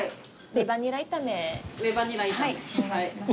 レバニラ炒めはい。